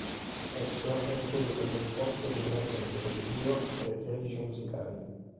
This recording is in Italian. Esso ha ricevuto un responso generalmente positivo fra i critici musicali.